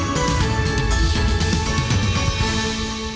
terima kasih pak suhaim